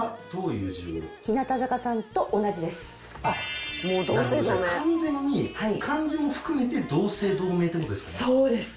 じゃあ完全に漢字も含めて同姓同名という事ですか？